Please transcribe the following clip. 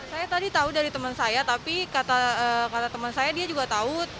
saya tadi tahu dari teman saya tapi kata teman saya dia juga tahu